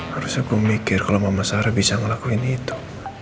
harusnya gua mikir kalau mama sara bisa ngelakuin itu